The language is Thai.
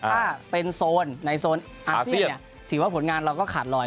ถ้าเป็นโซนในโซนอาเซียนถือว่าผลงานเราก็ขาดลอย